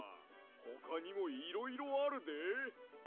ほかにもいろいろあるで。